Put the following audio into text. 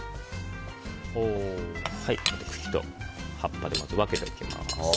茎と葉っぱで分けておきます。